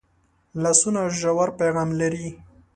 لاسونه ژور پیغام لري